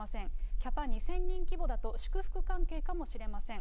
キャパ２０００人規模だと、祝福関係かもしれません。